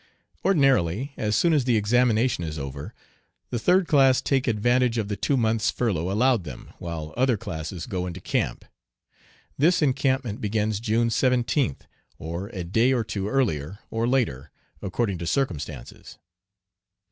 Ordinarily as soon as the examination is over the third class take advantage of the two months' furlough allowed them, while other classes go into camp. This encampment begins June 17th, or a day or two earlier or later, according to circumstances.